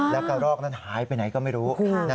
แล้วกระรอกนั้นหายไปไหนก็ไม่รู้